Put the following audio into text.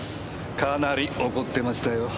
かなり怒ってましたよ。